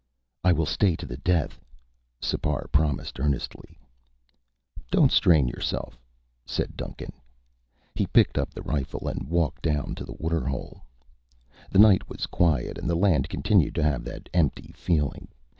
"I will stay to the death," Sipar promised earnestly. "Don't strain yourself," said Duncan. He picked up the rifle and walked down to the waterhole. The night was quiet and the land continued to have that empty feeling.